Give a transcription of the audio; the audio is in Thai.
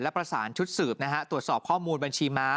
ประสานชุดสืบนะฮะตรวจสอบข้อมูลบัญชีม้า